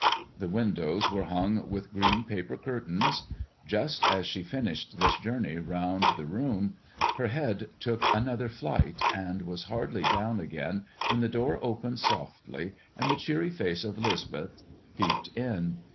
The windows were hung with green paper curtains. Just as she finished this journey around her room, her head took another flight, and was hardly down again when the door opened softly and the cheery face of 'Lisbeth peeped in.